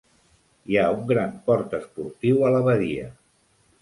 Hi ha un gran port esportiu a la badia.